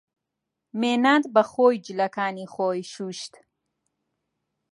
مێناد بەخۆی جلەکانی خۆی شووشت.